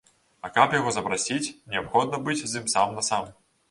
А каб яго запрасіць, неабходна быць з ім сам-насам.